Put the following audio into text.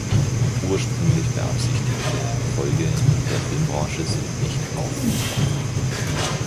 Ursprünglich beabsichtigte Erfolge in der Filmbranche sind nicht auffindbar.